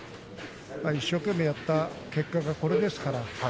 一生懸命やった結果がこれですからね。